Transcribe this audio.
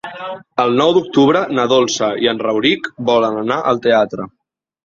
El nou d'octubre na Dolça i en Rauric volen anar al teatre.